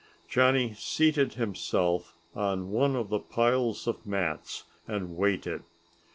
Johnny seated himself on one of the piles of mats and waited.